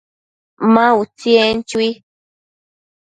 Ma utsi, en chui